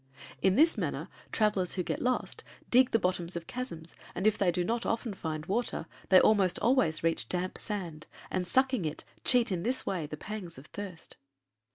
In this manner travelers who get lost dig the bottoms of chasms and, if they do not often find water, they almost always reach damp sand and, sucking it, cheat in this way the pangs of thirst.